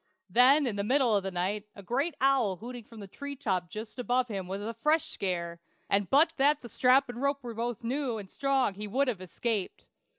Then in the middle of the night, a great owl hooting from the tree top just above him was a fresh scare, and but that the strap and rope both were new and strong he would have escaped.